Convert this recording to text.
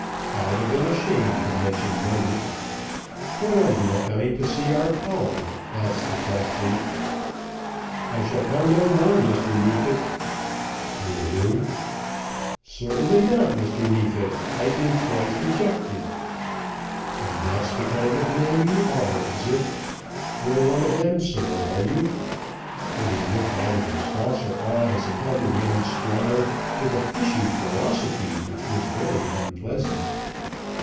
I'd a' been ashamed to mention money. When are you a coming to see our Polly, that's the question?" "I shall come no more, Mr. Neefit." "You won't?" "Certainly not, Mr. Neefit. I've been twice rejected." "And that's the kind of man you are; is it? You're one of them sort, are you?" Then he looked out of his saucer eyes upon the young Squire with a fishy ferocity, which was very unpleasant.